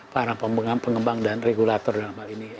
para pengembang dan regulator dalam hal ini